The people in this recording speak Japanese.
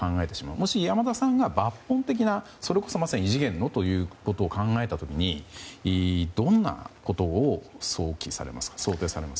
もし、山田さんが抜本的な、それこそまさに異次元のと考えた時にどんなことを想定されますか？